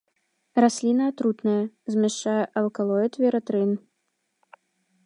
Расліна атрутная, змяшчае алкалоід вератрын.